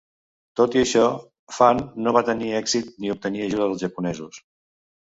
Tot i això, Phan no va tenir èxit en obtenir ajuda dels japonesos.